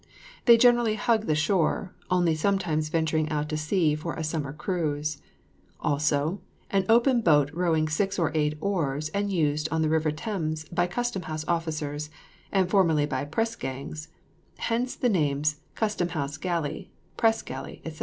They generally hug the shore, only sometimes venturing out to sea for a summer cruise. Also, an open boat rowing six or eight oars, and used on the river Thames by custom house officers, and formerly by press gangs; hence the names "custom house galley," "press galley," &c.